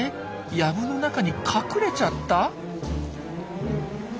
藪の中に隠れちゃった？